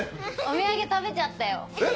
お土産食べちゃったよ。え？